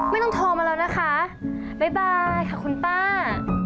ไม่ต้องโทรมาแล้วนะคะบ๊ายบายค่ะคุณป้า